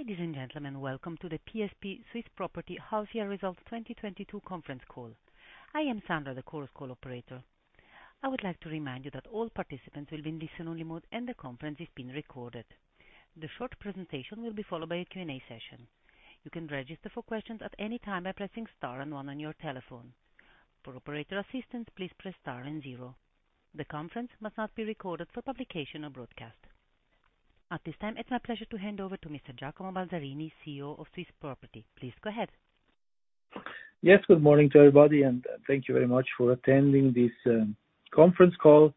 Ladies and gentlemen, welcome to the PSP Swiss Property Half Year Results 2022 conference call. I am Sandra, the conference call operator. I would like to remind you that all participants will be in listen-only mode, and the conference is being recorded. The short presentation will be followed by a Q&A session. You can register for questions at any time by pressing star and one on your telephone. For operator assistance, please press star and zero. The conference must not be recorded for publication or broadcast. At this time, it's my pleasure to hand over to Mr. Giacomo Balzarini, CEO of PSP Swiss Property. Please go ahead. Yes, good morning to everybody, and thank you very much for attending this conference call.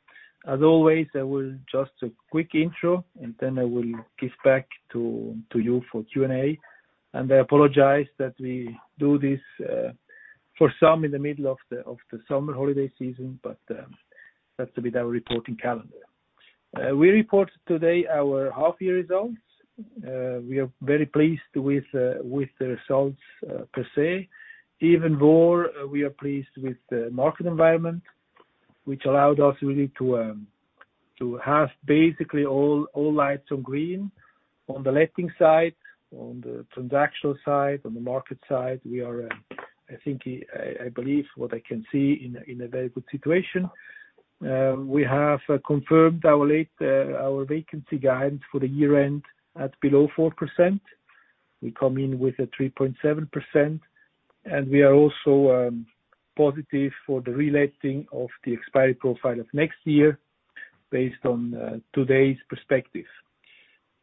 As always, I will just a quick intro, and then I will give back to you for Q&A. I apologize that we do this for some in the middle of the summer holiday season, but that's with our reporting calendar. We report today our half year results. We are very pleased with the results per se. Even more, we are pleased with the market environment, which allowed us really to have basically all lights on green. On the letting side, on the transactional side, on the market side, we are, I think, I believe what I can see in a very good situation. We have confirmed our latest vacancy guidance for the year-end at below 4%. We come in with a 3.7%, and we are also positive for the reletting of the expiry profile of next year based on today's perspective.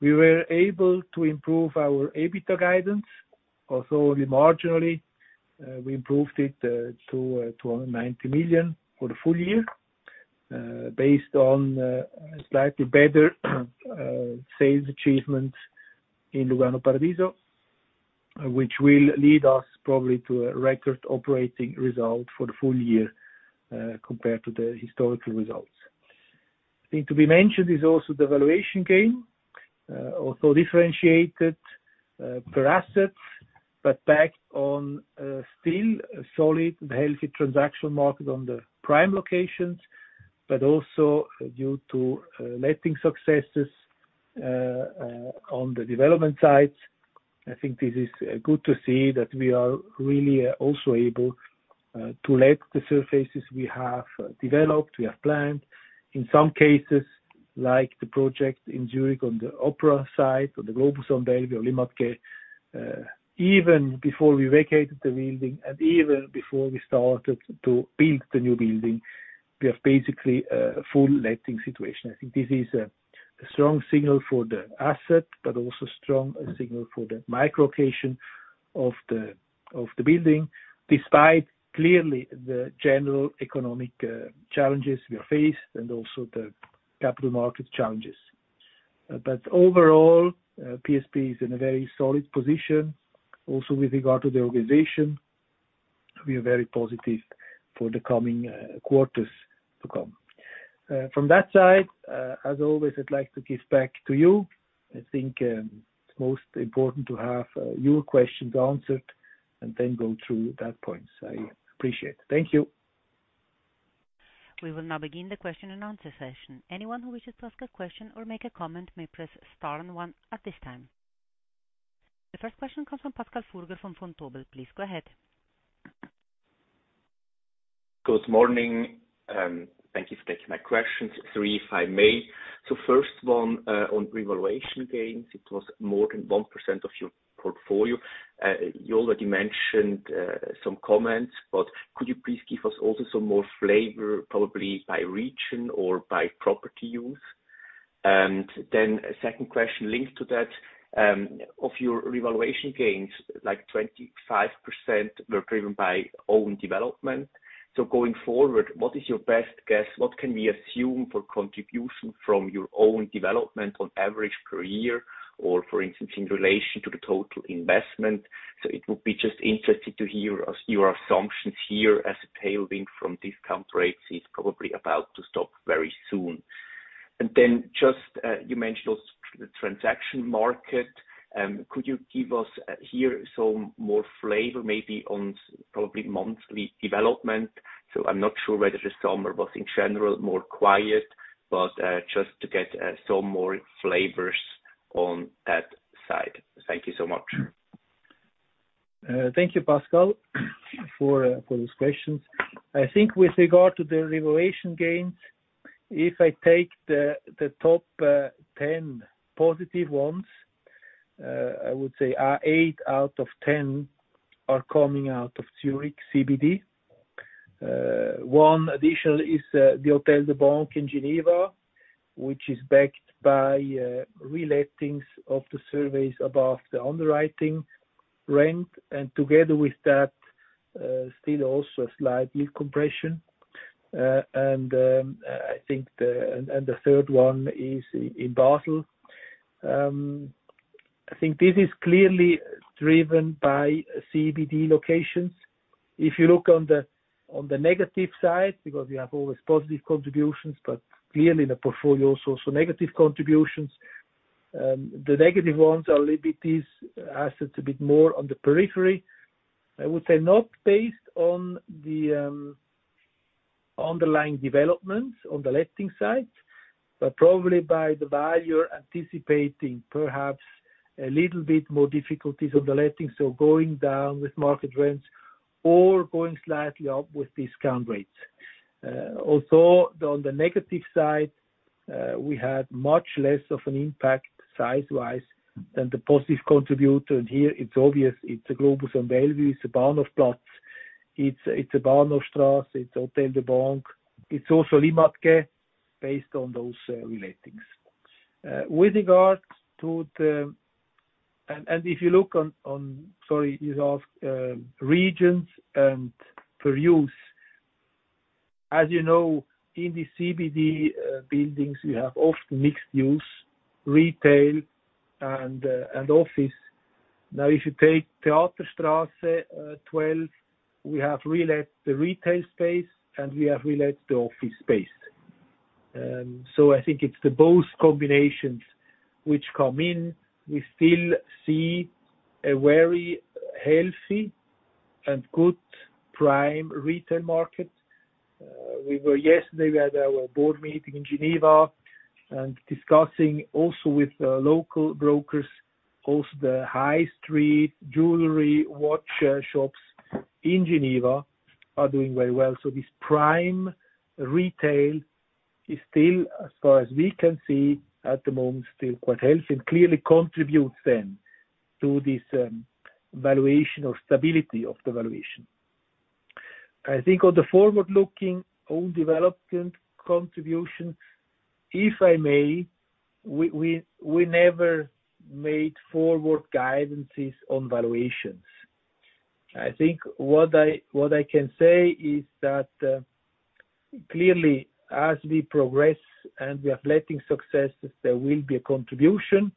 We were able to improve our EBITDA guidance, also only marginally. We improved it to 90 million for the full year, based on slightly better sales achievements in Lugano, Paradiso, which will lead us probably to a record operating result for the full year, compared to the historical results. I think to be mentioned is also the valuation gain, also differentiated per assets, but based on still solid and healthy transaction market on the prime locations, but also due to letting successes on the development side. I think this is good to see that we are really also able to let the surfaces we have developed, we have planned. In some cases, like the project in Zürich on the opera side or the Globus am Bellevue or Limmatquai, even before we vacated the building and even before we started to build the new building, we have basically a full letting situation. I think this is a strong signal for the asset, but also strong signal for the micro location of the building, despite clearly the general economic challenges we are faced and also the capital market challenges. Overall, PSP is in a very solid position. Also with regard to the organization, we are very positive for the coming quarters to come. From that side, as always, I'd like to give back to you. I think, it's most important to have your questions answered and then go through that point. I appreciate. Thank you. We will now begin the Q&A session. Anyone who wishes to ask a question or make a comment may press star and one at this time. The first question comes from Pascal Furger from Vontobel. Please go ahead. Good morning. Thank you for taking my questions. Three, if I may. First one, on revaluation gains. It was more than 1% of your portfolio. You already mentioned some comments, but could you please give us also some more flavor, probably by region or by property use? A second question linked to that. Of your revaluation gains, like 25% were driven by own development. Going forward, what is your best guess? What can we assume for contribution from your own development on average per year or for instance, in relation to the total investment? It would be just interesting to hear your assumptions here as a tailwind from discount rates is probably about to stop very soon. Then just, you mentioned the transaction market. Could you give us here some more flavor maybe on probably monthly development. I'm not sure whether the summer was in general more quiet, but just to get some more flavors on that side. Thank you so much. Thank you, Pascal, for those questions. I think with regard to the revaluation gains, if I take the top 10 positive ones, I would say eight out of 10 are coming out of Zürich CBD. One additional is the Hôtel de Banque in Geneva, which is backed by relettings of the suites above the underwriting rent, and together with that, still also a slight yield compression. The third one is in Basel. I think this is clearly driven by CBD locations. If you look on the negative side, because you have always positive contributions, but clearly in the portfolio also negative contributions. The negative ones are a little bit these assets a bit more on the periphery. I would say not based on the underlying developments on the letting side, but probably by the value anticipating perhaps a little bit more difficulties on the lettings, so going down with market rents or going slightly up with discount rates. Also, on the negative side, we had much less of an impact size-wise than the positive contributor. Here it's obvious it's a Globus am Bellevue, it's Bahnhofplatz, it's Bahnhofstrasse, it's Hôtel de Banque, it's also Limmatquai, based on those relettings. Sorry, you asked regions and uses. As you know, in the CBD, buildings, we have often mixed-use retail and office. Now, if you take Theaterstrasse 12, we have relet the retail space, and we have relet the office space. I think it's the both combinations which come in. We still see a very healthy and good prime retail market. We had our board meeting in Geneva and discussing also with the local brokers, also the high street jewelry, watch shops in Geneva are doing very well. This prime retail is still, as far as we can see at the moment, still quite healthy and clearly contributes then to this, valuation or stability of the valuation. I think on the forward-looking on development contribution, if I may, we never made forward guidance on valuations. I think what I can say is that, clearly, as we progress and we have letting successes, there will be a contribution.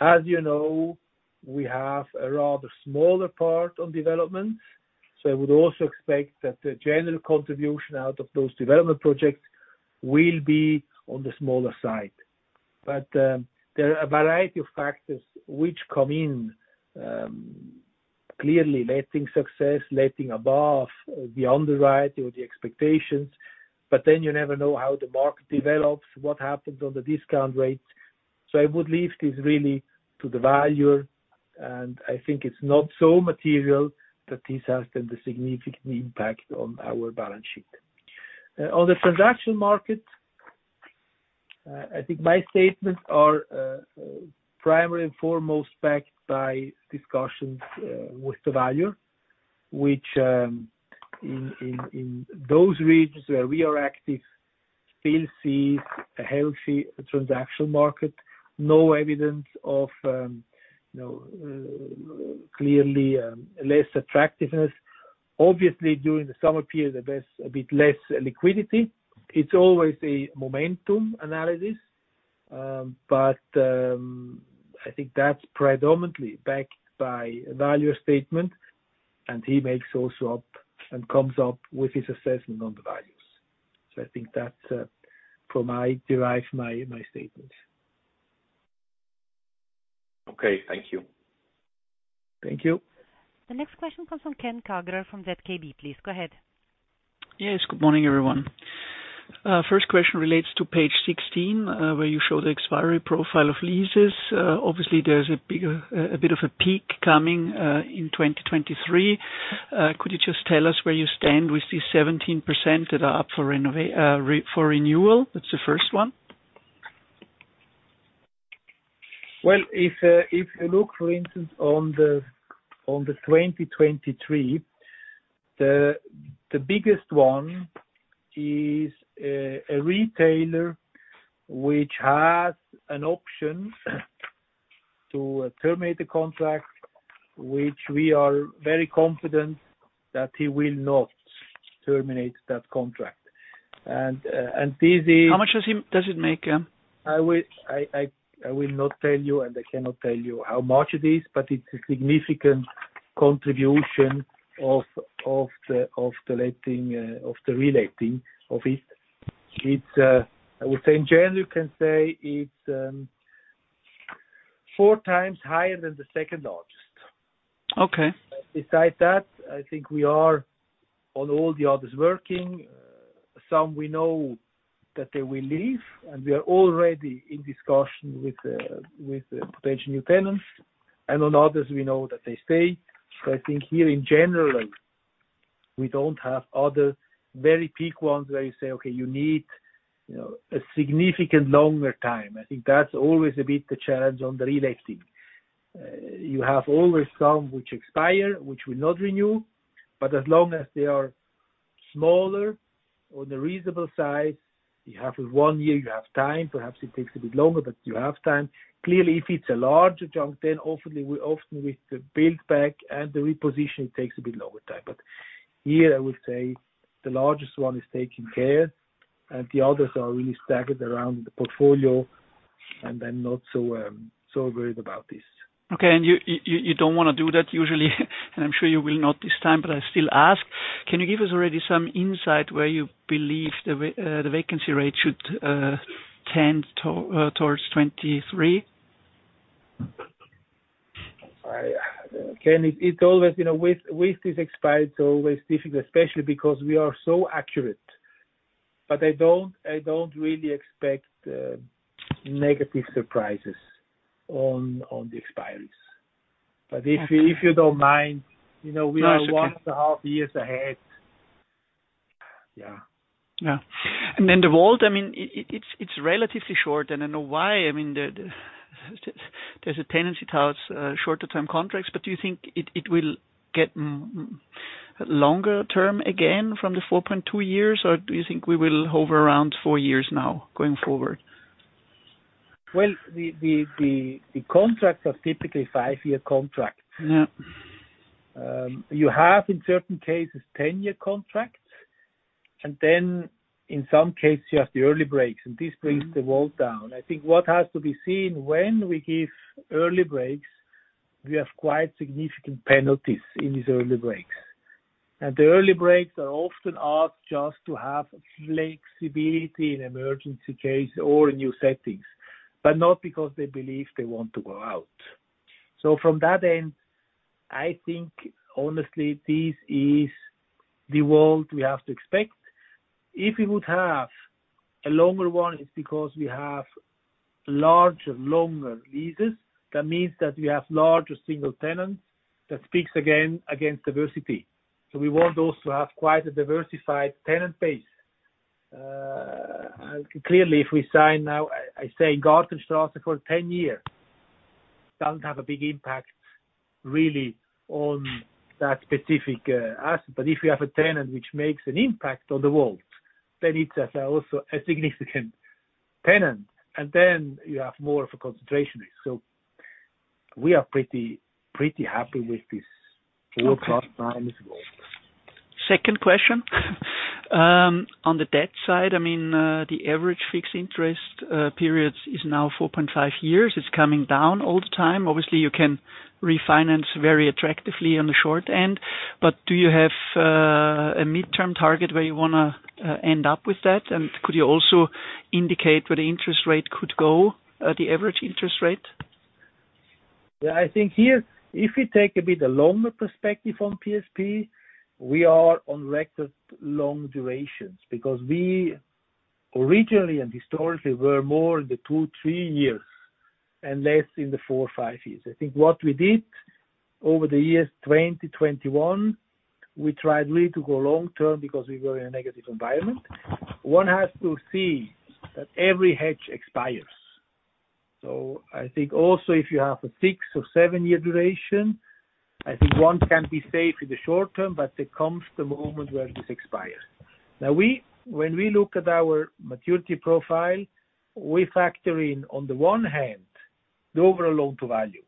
As you know, we have a rather smaller part on development, so I would also expect that the general contribution out of those development projects will be on the smaller side. There are a variety of factors which come in, clearly letting success, letting above the underwrite or the expectations, but then you never know how the market develops, what happens on the discount rates. I would leave this really to the valuer, and I think it's not so material that this has then the significant impact on our balance sheet. On the transaction market, I think my statements are, primary and foremost backed by discussions, with the valuer, which, in those regions where we are active, still sees a healthy transaction market. No evidence of, you know, clearly, less attractiveness. Obviously, during the summer period, there's a bit less liquidity. It's always a momentum analysis. I think that's predominantly backed by a valuer statement, and he makes also up and comes up with his assessment on the values. I think that from I derive my statement. Okay. Thank you. Thank you. The next question comes from Ken Kagerer from ZKB, please. Go ahead. Yes, good morning, everyone. First question relates to page 16, where you show the expiry profile of leases. Obviously, there's a bit of a peak coming in 2023. Could you just tell us where you stand with these 17% that are up for renewal? That's the first one. Well, if you look, for instance, on the 2023, the biggest one is a retailer which has an option to terminate the contract, which we are very confident that he will not terminate that contract. This is- Does it make? I will not tell you, and I cannot tell you how much it is, but it's a significant contribution of the letting of the reletting of it. It's, I would say, in general, you can say it's four times higher than the second-largest. Okay. Besides that, I think we are on all the others working. Some we know that they will leave, and we are already in discussion with potential new tenants. On others, we know that they stay. I think here in general, we don't have other very peak ones where you say, "Okay, you need, you know, a significant longer time." I think that's always a bit the challenge on the reletting. You have always some which expire, which we not renew. But as long as they are smaller or the reasonable size, you have one year, you have time. Perhaps it takes a bit longer, but you have time. Clearly, if it's a larger chunk, then often with the build-out and the reposition, it takes a bit longer time. Here I would say the largest one is taken care, and the others are really staggered around the portfolio, and I'm not so worried about this. Okay. You don't wanna do that usually, and I'm sure you will not this time, but I still ask. Can you give us already some insight where you believe the vacancy rate should tend towards 2023? It's always, you know, with this expiry, it's always difficult, especially because we are so accurate. I don't really expect negative surprises on the expiries. If you don't mind, you know, we are 1.5 years ahead. Yeah. The WALT, I mean, it's relatively short, and I know why. I mean, there's a tendency towards shorter term contracts. Do you think it will get longer term again from the 4.2 years, or do you think we will hover around four years now going forward? Well, the contracts are typically five-year contracts. Yeah. You have in certain cases 10-year contracts, and then in some cases you have the early breaks, and this brings the WALT down. I think what has to be seen when we give early breaks, we have quite significant penalties in these early breaks. The early breaks are often asked just to have flexibility in emergency case or new settings, but not because they believe they want to go out. From that end, I think honestly, this is the world we have to expect. If we would have a longer one, it's because we have larger, longer leases. That means that we have larger single tenants. That speaks again against diversity. We want those to have quite a diversified tenant base. Clearly, if we sign now, I say Gartenstrasse for 10 years, doesn't have a big impact really on that specific asset. If we have a tenant which makes an impact on the WALT, then it's also a significant tenant, and then you have more of a concentration risk. We are pretty happy with this 4.9 as well. Second question. On the debt side, I mean, the average fixed interest periods are now 4.5 years. It's coming down all the time. Obviously, you can refinance very attractively on the short end. Do you have a midterm target where you wanna end up with that? Could you also indicate where the interest rate could go, the average interest rate? Yeah. I think here, if you take a bit of a longer perspective on PSP, we are on record long durations because we originally and historically were more in the two years to three years and less in the four years to five years. I think what we did over the years 2020, 2021, we tried really to go long term because we were in a negative environment. One has to see that every hedge expires. I think also if you have a six- or seven-year duration, I think one can be safe in the short term, but there comes the moment where this expires. When we look at our maturity profile, we factor in, on the one hand, the overall loan-to-value,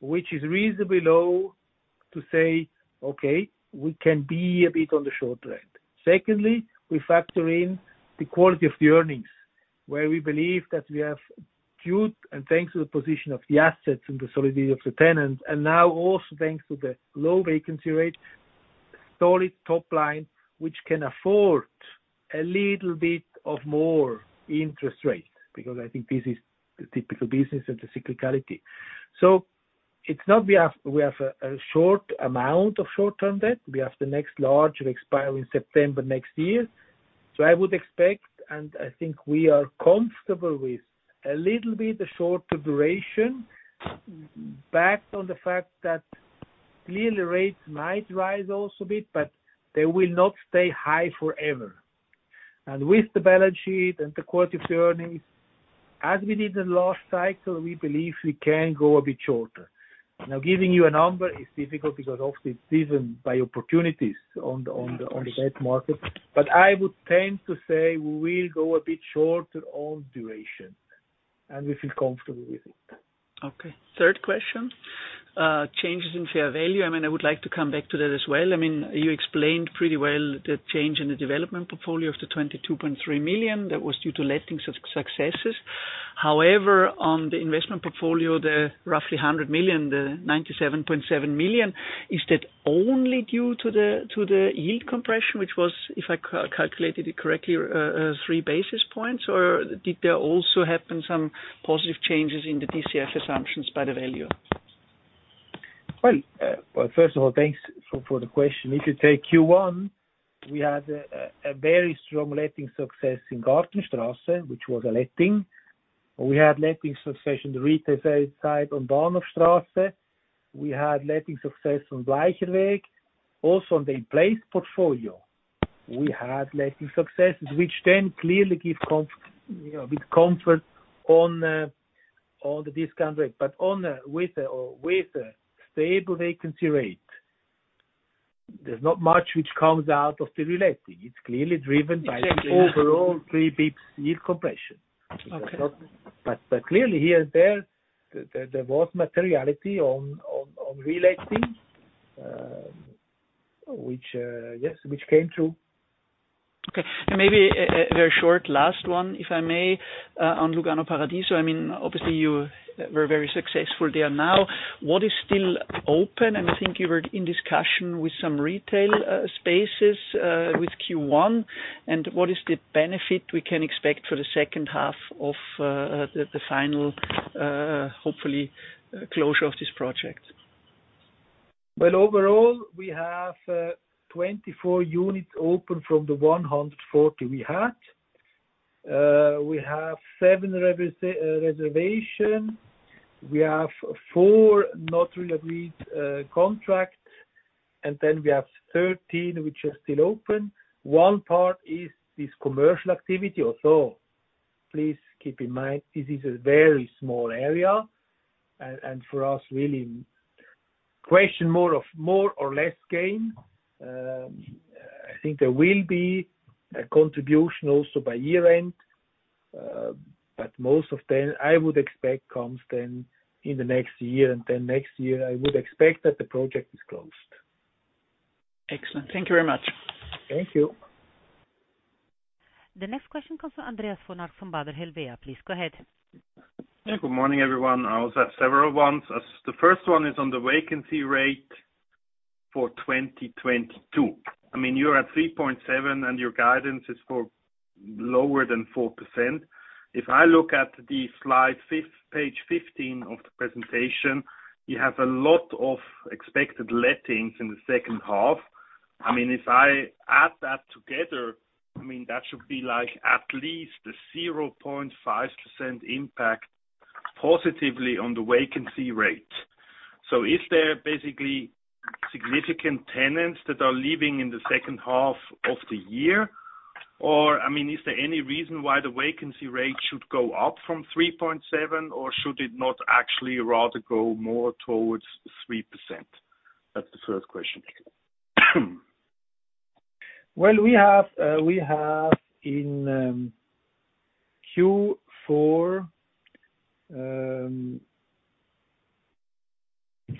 which is reasonably low to say, "Okay, we can be a bit on the short end." Secondly, we factor in the quality of the earnings, where we believe that we have good and thanks to the position of the assets and the solidity of the tenants, and now also thanks to the low vacancy rate, solid top line, which can afford a little bit of more interest rate, because I think this is the typical business and the cyclicality. It's not we have a short amount of short-term debt. We have the next larger expiry in September next year. I would expect, and I think we are comfortable with a little bit the shorter duration backed by the fact that clearly rates might rise also a bit, but they will not stay high forever. With the balance sheet and the quality of earnings, as we did in the last cycle, we believe we can go a bit shorter. Now, giving you a number is difficult because often it's driven by opportunities on the debt market. I would tend to say we will go a bit shorter on duration, and we feel comfortable with it. Okay. Third question. Changes in fair value. I mean, I would like to come back to that as well. I mean, you explained pretty well the change in the development portfolio of the 22.3 million. That was due to lettings successes. However, on the investment portfolio, the roughly 100 million, the 97.7 million, is that only due to the yield compression, which was, if I calculated it correctly, three basis points? Or did there also happen some positive changes in the DCF assumptions by the valuers? Well, first of all, thanks for the question. If you take Q1, we had a very strong letting success in Gartenstrasse, which was a letting. We had letting success in the retail side on Bahnhofstrasse. We had letting success on Bleicherweg. Also, on the in-place portfolio, we had letting successes, which then clearly give confidence, you know, a bit of comfort on the discount rate. With a stable vacancy rate, there's not much which comes out of the reletting. It's clearly driven by the overall three basis points yield compression. Okay. Clearly here and there was materiality on relettings, which came through. Okay. Maybe a very short last one, if I may, on Lugano, Paradiso. I mean, obviously, you were very successful there now. What is still open? I think you were in discussion with some retail spaces with Q1. What is the benefit we can expect for the second half of the final, hopefully, closure of this project? Well, overall, we have 24 units open from the 140 we had. We have seven reservations. We have 4 not really agreed contracts, and then we have 13 which are still open. One part is this commercial activity. Although, please keep in mind, this is a very small area, and for us, really a question of more or less gain. I think there will be a contribution also by year-end, but most of them, I would expect comes then in the next year, and then next year, I would expect that the project is closed. Excellent. Thank you very much. Thank you. The next question comes from Andreas von Arx from Baader Helvea. Please go ahead. Yeah. Good morning, everyone. I also have several ones. The first one is on the vacancy rate for 2022. I mean, you're at 3.7%, and your guidance is for lower than 4%. If I look at page 15 of the presentation, you have a lot of expected lettings in the second half. I mean, if I add that together, I mean, that should be like at least a 0.5% impact positively on the vacancy rate. Is there basically significant tenants that are leaving in the second half of the year? Or, I mean, is there any reason why the vacancy rate should go up from 3.7%, or should it not actually rather go more towards 3%? That's the first question. Well, we have in Q4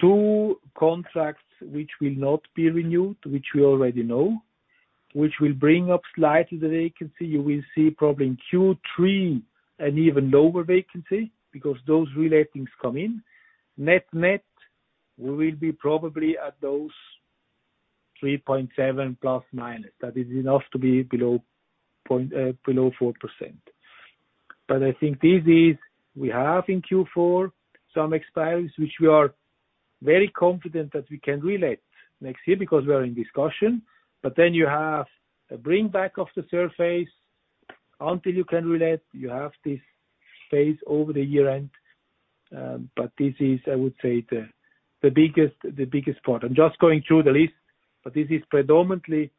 2 contracts which will not be renewed, which we already know, which will bring up slightly the vacancy. You will see probably in Q3 an even lower vacancy because those relettings come in. Net, we will be probably at 3.7% ±. That is enough to be below 4%. I think this is, we have in Q4 some expiries, which we are very confident that we can relet next year because we are in discussion. Then you have a bringing back of the surface. Until you can relet, you have this phase over the year-end. This is, I would say, the biggest part. I'm just going through the list, but this is predominantly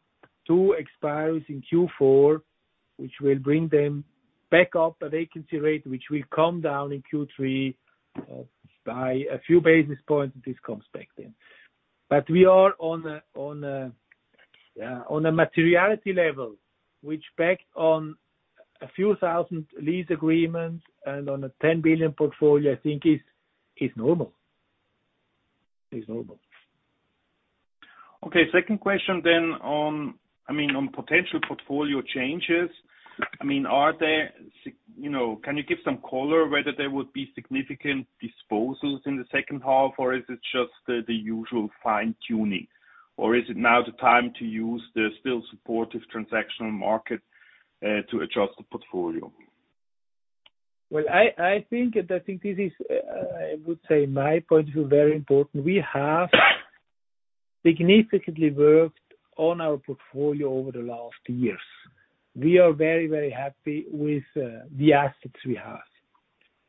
two expiries in Q4, which will bring the vacancy rate back up, which will come down in Q3, by a few basis points, and this comes back then. We are on a materiality level, which based on a few thousand lease agreements and on a 10 billion portfolio, I think is normal. Okay. Second question on potential portfolio changes. I mean, you know, can you give some color whether there would be significant disposals in the second half, or is it just the usual fine-tuning? Is it now the time to use the still supportive transactional market to adjust the portfolio? I think this is, I would say my point of view, very important. We have significantly worked on our portfolio over the last years. We are very, very happy with the assets we have.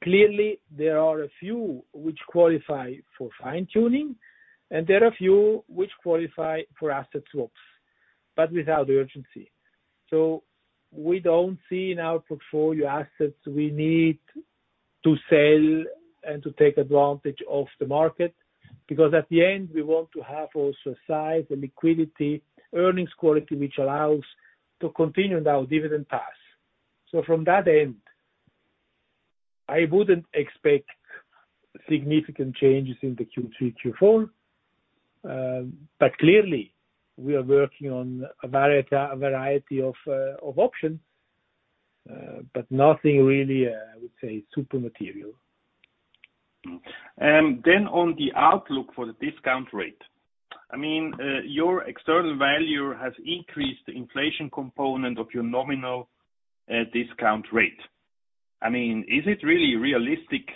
Clearly, there are a few which qualify for fine-tuning, and there are a few which qualify for asset swaps, but without urgency. We don't see in our portfolio assets we need to sell and to take advantage of the market, because at the end, we want to have also size and liquidity, earnings quality, which allows to continue our dividend path. From that end, I wouldn't expect significant changes in the Q3, Q4. Clearly, we are working on a variety of options, but nothing really, I would say, super material. On the outlook for the discount rate. I mean, your external valuer has increased the inflation component of your nominal discount rate. I mean, is it really realistic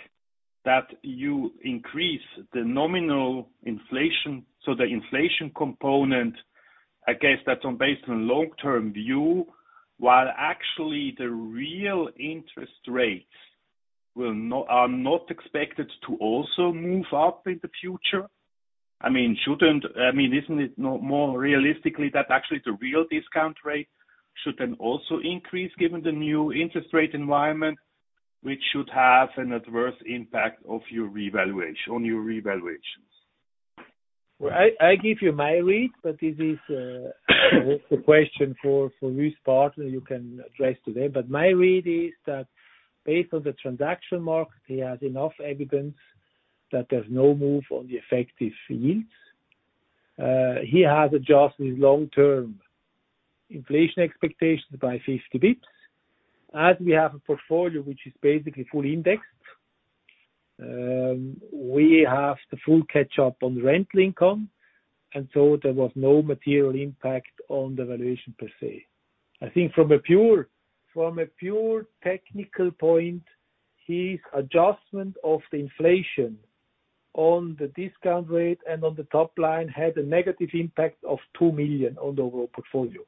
that you increase the nominal inflation? The inflation component, I guess that's based on long-term view, while actually the real interest rates are not expected to also move up in the future. I mean, isn't it more realistic that actually the real discount rate should then also increase given the new interest rate environment, which should have an adverse impact on your revaluations? Well, I give you my read, but this is the question for Wüest Partner you can address today. My read is that based on the transaction market, he has enough evidence that there's no move on the effective yields. He has adjusted his long-term inflation expectations by 50 basis points. As we have a portfolio which is basically fully indexed, we have the full catch up on the rental income, and so there was no material impact on the valuation per se. I think from a pure technical point. His adjustment of the inflation on the discount rate and on the top line had a negative impact of 2 million on the overall portfolio.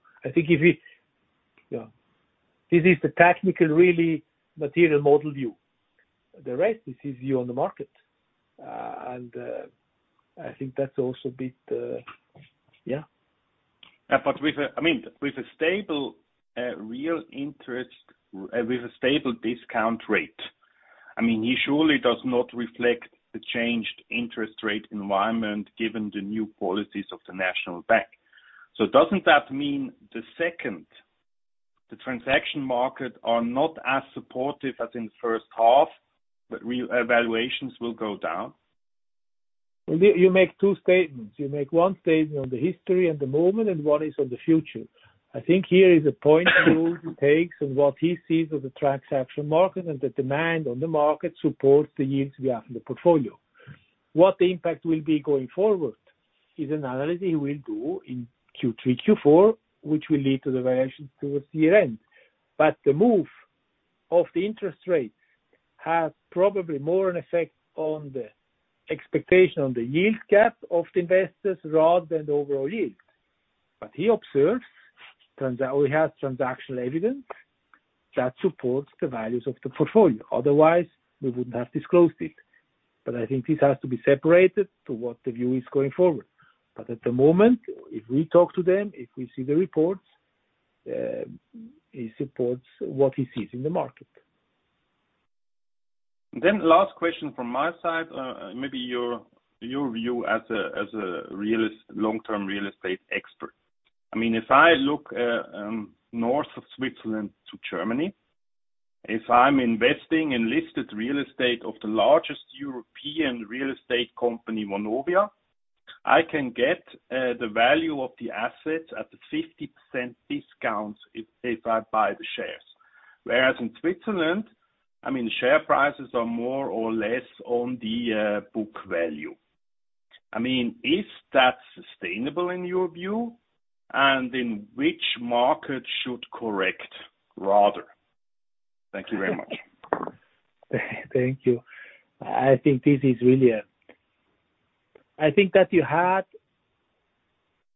This is the technical really material model view. The rest is his view on the market. I think that's also a bit, yeah. With a stable discount rate, I mean, he surely does not reflect the changed interest rate environment given the new policies of the National Bank. Doesn't that mean the second, the transaction market are not as supportive as in the first half, but revaluations will go down? You make two statements. You make one statement on the history and the moment, and one is on the future. I think here is a point he takes and what he sees on the transaction market, and the demand on the market supports the yields we have in the portfolio. What the impact will be going forward is an analysis he will do in Q3, Q4, which will lead to the variations towards the year-end. The move of the interest rate has probably more an effect on the expectation on the yield gap of the investors rather than the overall yield. He observes we have transactional evidence that supports the values of the portfolio. Otherwise, we wouldn't have disclosed it. I think this has to be separated to what the view is going forward. At the moment, if we talk to them, if we see the reports, he supports what he sees in the market. Last question from my side, maybe your view as a long-term real estate expert. I mean, if I look north of Switzerland to Germany, if I'm investing in listed real estate of the largest European real estate company, Vonovia, I can get the value of the assets at a 50% discount if I buy the shares. Whereas in Switzerland, I mean, share prices are more or less on the book value. I mean, is that sustainable in your view? And then which market should correct rather? Thank you very much. Thank you. I think this is really. I think that you had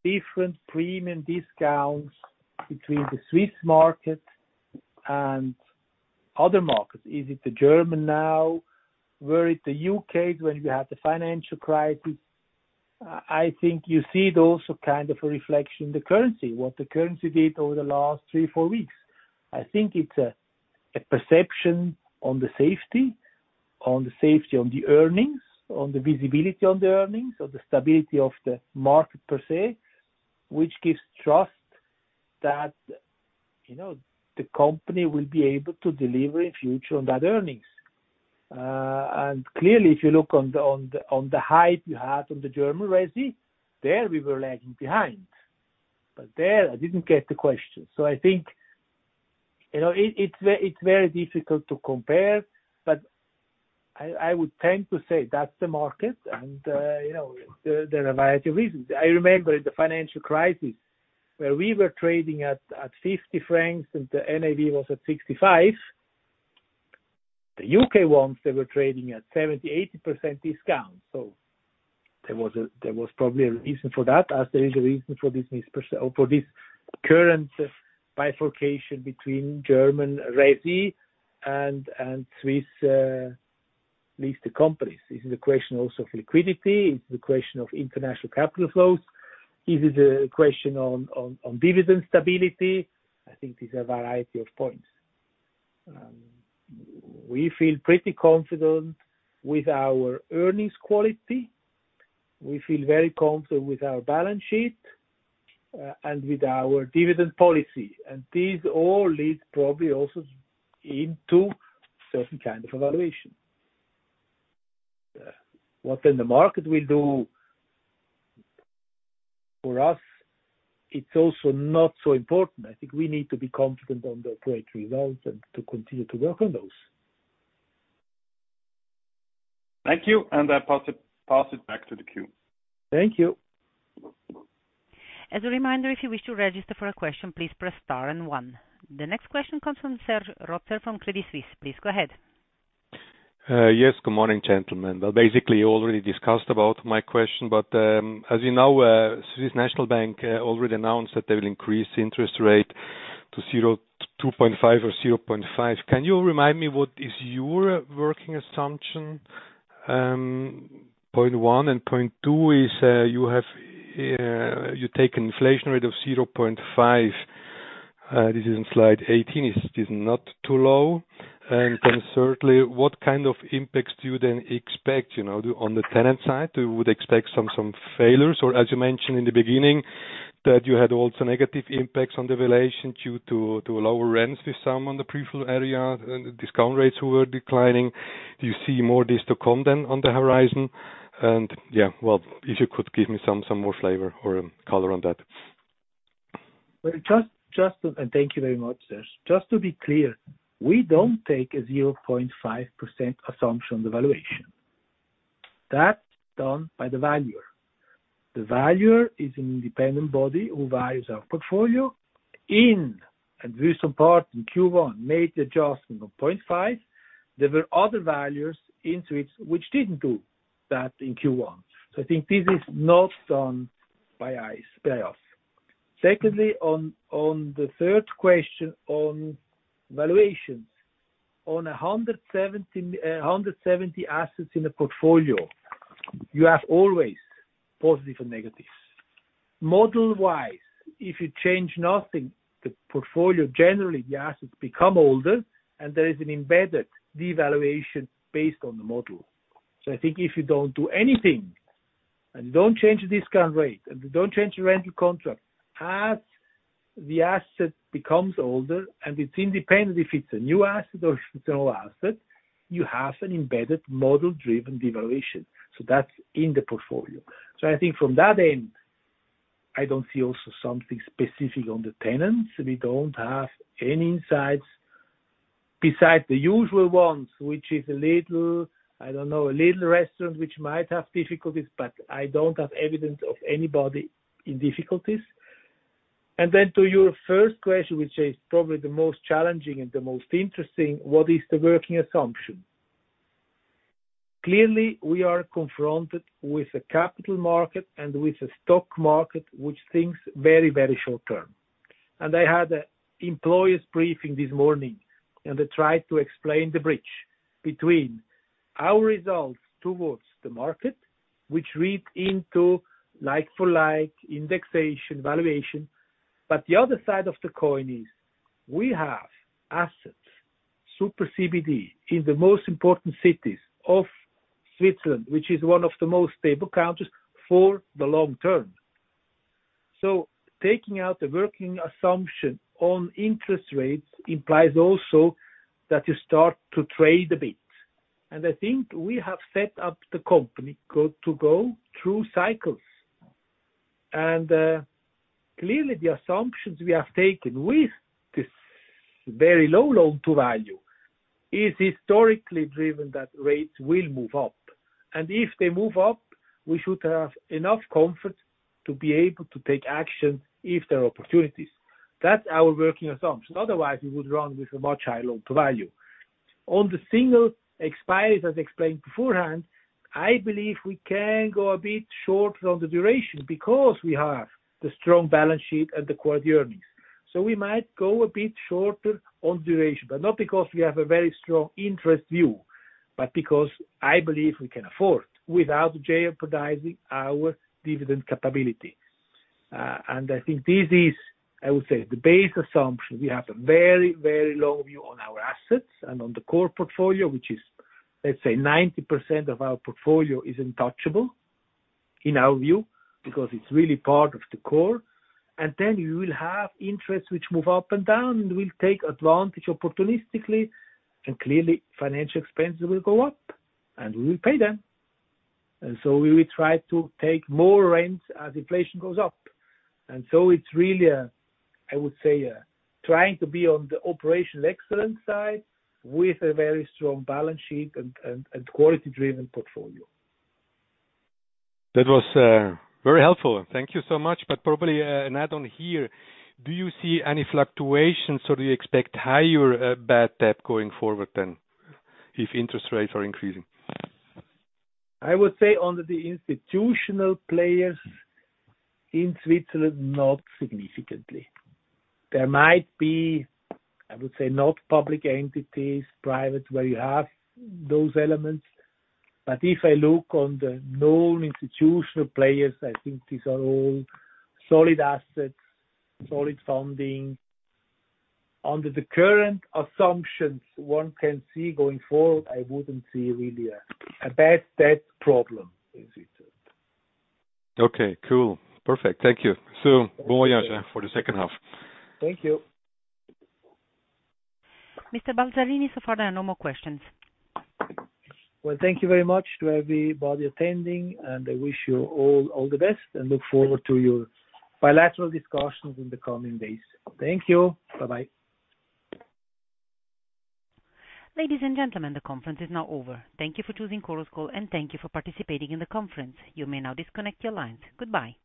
different premium discounts between the Swiss market and other markets. Is it the German now? Was it the U.K. when you had the financial crisis? I think you see it also kind of a reflection in the currency, what the currency did over the last three, four weeks. I think it's a perception on the safety on the earnings, on the visibility on the earnings, on the stability of the market per se, which gives trust that, you know, the company will be able to deliver in future on those earnings. And clearly, if you look on the hype you had on the German residential, there we were lagging behind. There, I didn't get the question. I think it's very difficult to compare, but I would tend to say that's the market and there are a variety of reasons. I remember in the financial crisis where we were trading at 50 francs and the NAV was at 65 CHF. The U.K. ones, they were trading at 70%-80% discount. There was probably a reason for that as there is a reason for this current bifurcation between German residential and Swiss listed companies. This is a question also of liquidity. It's a question of international capital flows. This is a question of dividend stability. I think there's a variety of points. We feel pretty confident with our earnings quality. We feel very confident with our balance sheet, and with our dividend policy. These all lead probably also into certain kind of evaluation. What then the market will do for us, it's also not so important. I think we need to be confident on the great results and to continue to work on those. Thank you. I pass it back to the queue. Thank you. As a reminder, if you wish to register for a question, please press star and one. The next question comes from Serge Rotzer from Credit Suisse. Please go ahead. Yes. Good morning, gentlemen. Well, basically, you already discussed about my question, but, as you know, Swiss National Bank already announced that they will increase interest rate to 2.5 or 0.5. Can you remind me what is your working assumption, 0.1, and 0.2 is you have you take an inflation rate of 0.5, this is in slide 18. Is this not too low? Thirdly, what kind of impacts do you then expect, you know, on the tenant side? We would expect some failures or as you mentioned in the beginning, that you had also negative impacts on the valuation due to lower rents within some pre-let areas and discount rates were declining. Do you see more of this to come then on the horizon? Yeah, well, if you could give me some more flavor or color on that. Thank you very much, Serge. Just to be clear, we don't take a 0.5% assumption on the valuation. That's done by the valuer. The valuer is an independent body who values our portfolio. At this point in Q1, made the adjustment of 0.5. There were other valuers in Switzerland which didn't do that in Q1. I think this is not done by us. Secondly, on the third question on valuations. On 170 assets in a portfolio, you have always positive and negatives. Model-wise, if you change nothing, the portfolio, generally the assets become older, and there is an embedded devaluation based on the model. I think if you don't do anything, and don't change the discount rate, and you don't change the rental contract, as the asset becomes older, and it's independent if it's a new asset or if it's an old asset, you have an embedded model-driven devaluation. That's in the portfolio. I think from that end, I don't see also something specific on the tenants. We don't have any insights besides the usual ones, which is a little, I don't know, a little restaurant which might have difficulties, but I don't have evidence of anybody in difficulties. Then to your first question, which is probably the most challenging and the most interesting, what is the working assumption? Clearly, we are confronted with a capital market and with a stock market, which thinks very, very short term. I had an employees briefing this morning, and I tried to explain the bridge between our results towards the market, which read into like-for-like, indexation, valuation. The other side of the coin is we have assets, super CBD, in the most important cities of Switzerland, which is one of the most stable countries for the long term. Taking out the working assumption on interest rates implies also that you start to trade a bit. I think we have set up the company to go through cycles. Clearly the assumptions we have taken with this very low loan-to-value is historically driven that rates will move up. If they move up, we should have enough comfort to be able to take action if there are opportunities. That's our working assumption. Otherwise, we would run with a much higher loan-to-value. On the single expiry, as explained beforehand, I believe we can go a bit shorter on the duration because we have the strong balance sheet and the quality earnings. We might go a bit shorter on duration, but not because we have a very strong interest view, but because I believe we can afford without jeopardizing our dividend capability. I think this is, I would say, the base assumption. We have a very, very low view on our assets and on the core portfolio, which is, let's say, 90% of our portfolio is untouchable, in our view, because it's really part of the core. You will have interests which move up and down, and we'll take advantage opportunistically, and clearly financial expenses will go up, and we will pay them. We will try to take more rents as inflation goes up. It's really a, I would say a trying to be on the operational excellence side with a very strong balance sheet and quality-driven portfolio. That was very helpful. Thank you so much. Probably, an add-on here. Do you see any fluctuations, or do you expect higher bad debt going forward then, if interest rates are increasing? I would say on the institutional players in Switzerland, not significantly. There might be, I would say, not public entities, private, where you have those elements. If I look on the known institutional players, I think these are all solid assets, solid funding. Under the current assumptions, one can see going forward, I wouldn't see really a bad debt problem in Switzerland. Okay, cool. Perfect. Thank you. Bon voyage for the second half. Thank you. Mr. Balzarini, so far there are no more questions. Well, thank you very much to everybody attending, and I wish you all the best, and look forward to your bilateral discussions in the coming days. Thank you. Bye-bye. Ladies and gentlemen, the conference is now over. Thank you for choosing Chorus Call, and thank you for participating in the conference. You may now disconnect your lines. Goodbye.